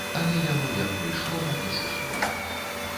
Але яно як прыйшло, так і сышло.